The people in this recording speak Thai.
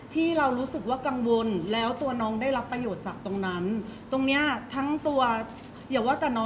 เพราะว่าสิ่งเหล่านี้มันเป็นสิ่งที่ไม่มีพยาน